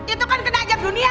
itu kan kena ajan dunia